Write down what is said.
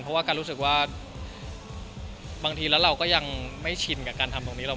เพราะว่าการรู้สึกว่าบางทีแล้วเราก็ยังไม่ชินกับการทำตรงนี้